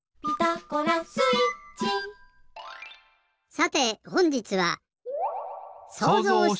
さてほんじつは。